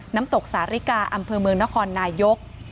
น้ำตกสาริกาอำเภอเมืองนครนายก